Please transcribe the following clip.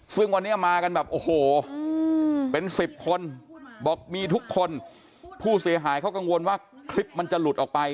ซึ่งวันนี้มากันแบบโอ้โหเป็นสิบคนบอกมีทุกคนผู้เสียหายเขากังวลว่าคลิปมันจะหลุดออกไป